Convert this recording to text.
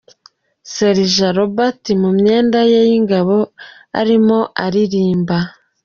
Sergent Robert mu myenda ye y'Ingabo arimo aririmba.